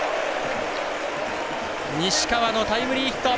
西川のタイムリーヒット。